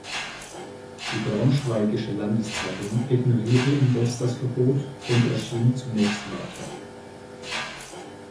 Die "Braunschweigische Landeszeitung" ignorierte indes das Verbot und erschien zunächst weiter.